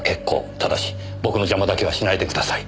ただし僕の邪魔だけはしないでください！